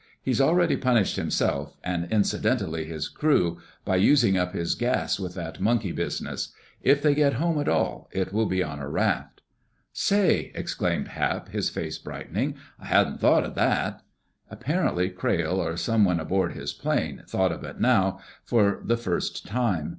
He's already punished himself, and incidentally his crew, by using up his gas with that monkey business. If they get home at all it will be on a raft." "Say!" exclaimed Hap, his face brightening. "I hadn't thought of that." Apparently Crayle, or someone aboard his plane, thought of it now for the first time.